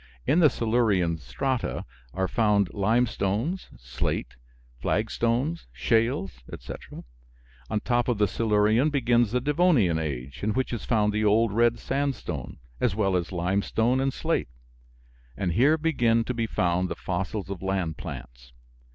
In the Silurian strata are found limestones, slate, flagstones, shales, etc. On top of the Silurian begins the "Devonian" age, in which is found the old red sandstone, as well as limestone and slate; and here begin to be found the fossils of land plants.